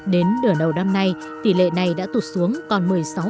đến đửa đầu năm nay tỷ lệ này đã tụt xuống còn một mươi sáu ba